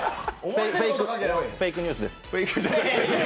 フェイクニュースです。